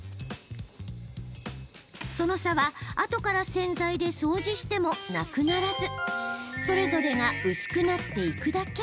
その差は、あとから洗剤で掃除してもなくならずそれぞれが薄くなっていくだけ。